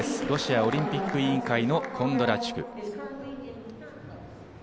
ロシアオリンピック委員会のコンドラチュク。